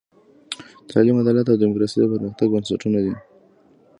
تعلیم، عدالت او دیموکراسي د پرمختګ بنسټونه دي.